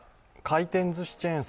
回転ずしチェーン